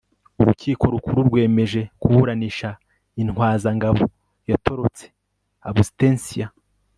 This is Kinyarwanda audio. urukiko rukuru rwemeje kuburanisha intwazangabo yatorotse abstentia